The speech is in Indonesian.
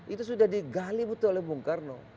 itu sudah digali betul oleh bung karno